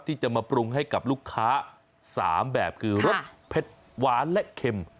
ที่จะมาปรุงให้กับลูกค้า๓แบบคือรสเผ็ดหวานและเข็ม